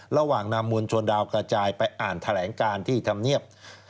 ระหว่างนำมวลชนดาวกระจายไปอ่านแถลงการที่ทำเนียบ